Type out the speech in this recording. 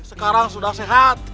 sekarang sudah sehat